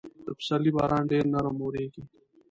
د پسرلي باران ډېر نرم اورېږي.